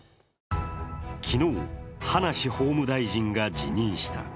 昨日、葉梨法務大臣が辞任した。